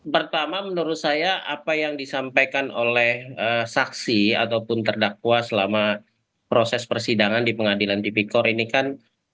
pertama menurut saya apa yang disampaikan oleh saksi ataupun terdakwa selama proses persidangan di pengadilan tipikor ini kan